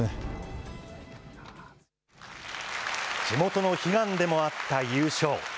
地元の悲願でもあった優勝。